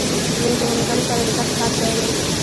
مېز د ملګرو سره د ګډ کار ځای دی.